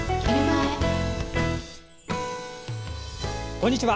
こんにちは。